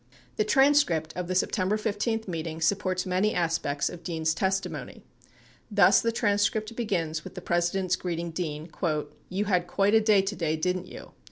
The transcript of the September 15 meeting supports many aspects of Dean's testimony. Thus the transcript begins with the President's greeting Dean: "You had quite a day today didn't you?